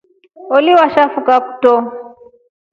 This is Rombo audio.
Oli washafuka kutro.